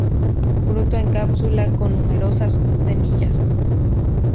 Fruto en cápsula con numerosas semillas.